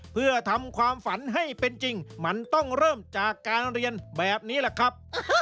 เพื่อทำความฝันให้เป็นจริงมันต้องเริ่มจากการเรียนแบบนี้แหละครับ